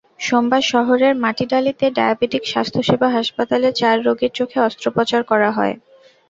সোমবার শহরের মাটিডালিতে ডায়াবেটিক স্বাস্থ্যসেবা হাসপাতালে চার রোগীর চোখে অস্ত্রোপচার করা হয়।